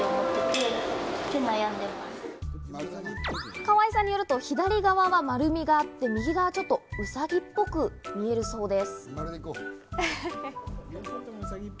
かわいさんによると左側は丸みがあって、右側はウサギっぽく見えるそうです。